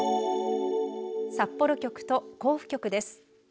札幌局と甲府局です。